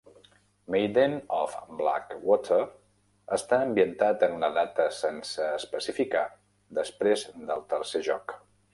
"Maiden of Black Water" està ambientat en una data sense especificar després del tercer joc.